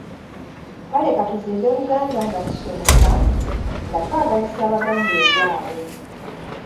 Kale ka tuzimbe Buganda nga tusomesa, nga twagazisa Abaganda ebyabwe.